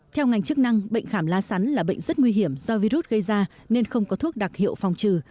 theo ngành chức năng bệnh khảm lá sắn là bệnh rất nguy hiểm do virus gây ra nên không có thuốc đặc hiệu phòng trừ